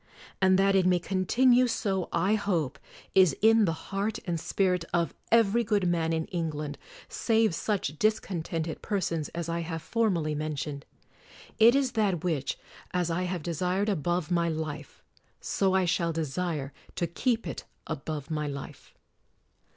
And that it may continue so, I hope is in the heart and spirit of every good man in England, save such discontented persons as I have formerly men tioned. It is that which, as I have desired above my life, so I shall desire to keep it above my life.